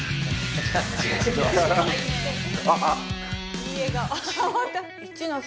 いい笑顔。